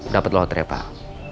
dapet loterai pak